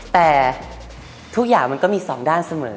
แต่ทุกอย่างมันก็มีสองด้านเสมอ